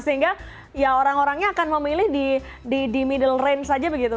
sehingga ya orang orangnya akan memilih di middle range saja begitu